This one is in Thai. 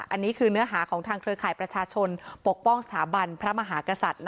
อันนี้คือเนื้อหาของทางเครือข่ายประชาชนปกป้องสถาบันพระมหากษัตริย์